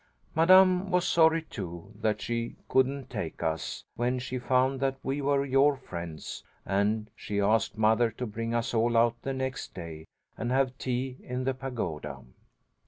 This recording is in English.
"Madame was sorry, too, that she couldn't take us, when she found that we were your friends, and she asked mother to bring us all out the next day and have tea in the pagoda.